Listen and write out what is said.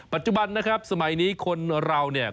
ปัจจุบันนะครับสมัยนี้คนเราเนี่ย